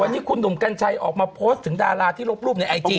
วันนี้คุณหนุ่มกัญชัยออกมาโพสต์ถึงดาราที่ลบรูปในไอจี